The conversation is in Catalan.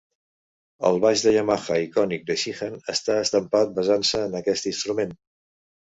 El baix de Yamaha icònic de Sheehan està estampat basant-se en aquest instrument.